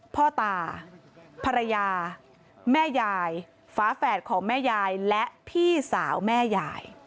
พ่อตาภรรยาแม่ยายฝาแฝดของแม่ยายและพี่สาวแม่ยาย